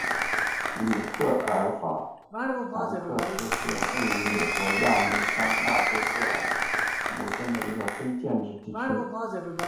里特尔法兰克斯是位于美国亚利桑那州葛兰姆县的一个非建制地区。